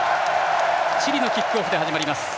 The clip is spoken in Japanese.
チリのキックオフで始まります。